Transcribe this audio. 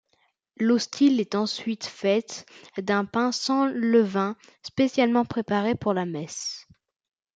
L'hostie est ensuite faite d’un pain sans levain, spécialement préparé pour la messe.